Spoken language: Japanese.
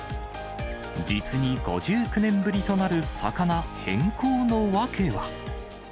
実に５９年ぶりとなる魚変更の訳は。